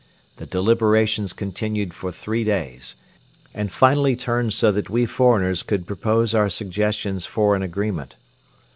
The deliberations continued for three days and finally turned so that we foreigners could propose our suggestions for an agreement.